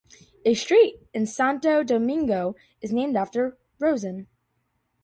A street in Santo Domingo is named after Rosen.